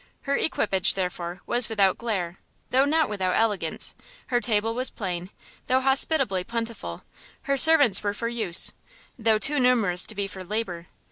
Her equipage, therefore, was without glare, though not without elegance, her table was plain, though hospitably plentiful, her servants were for use, though too numerous to be for labour.